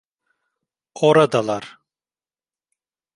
Oradalar!